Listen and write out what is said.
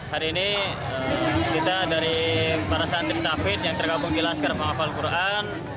hari ini kita dari para santri tafid yang terkabung di laskar penghafal al quran